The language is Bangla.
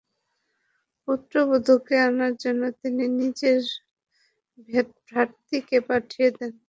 পুত্রবধুকে আনার জন্যে তিনি নিজের ভৃত্যকে পাঠিয়ে দেন।